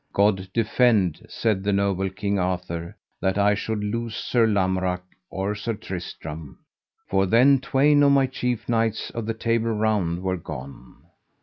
God defend, said the noble King Arthur, that I should lose Sir Lamorak or Sir Tristram, for then twain of my chief knights of the Table Round were gone.